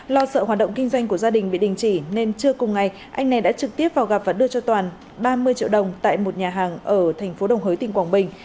lo sợ hoạt động kinh doanh của gia đình bị đình chỉ nên trưa cùng ngày anh này đã trực tiếp vào gặp và đưa cho toàn ba mươi triệu đồng tại một nhà hàng ở thành phố đồng hới tỉnh quảng bình